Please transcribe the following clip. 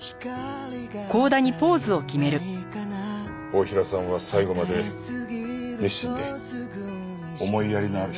太平さんは最後まで熱心で思いやりのある人でした。